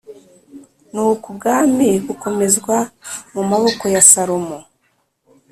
Nuko ubwami bukomezwa mu maboko ya Salomo..